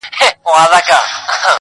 ګلسوم د نجونو نښه ده تل,